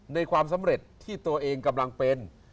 ในความสำเร็จที่ตัวเองกำลังเป็น